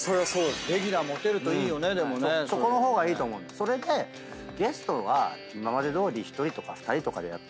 それでゲストは今までどおり１人とか２人とかでやって。